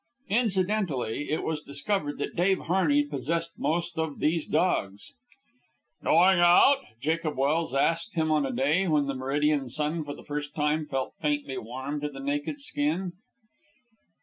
Incidentally, it was discovered that Dave Harney possessed most of these dogs. "Going out?" Jacob Welse asked him on a day when the meridian sun for the first time felt faintly warm to the naked skin.